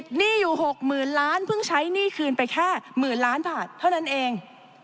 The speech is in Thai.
หนี้อยู่๖๐๐๐ล้านเพิ่งใช้หนี้คืนไปแค่หมื่นล้านบาทเท่านั้นเอง